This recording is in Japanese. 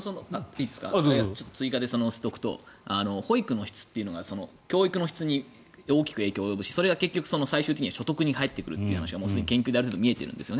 追加で保育の質というのが教育の質に大きく影響を及ぼしそれが最終的には所得に返ってくるという話は研究で見えているんですよね。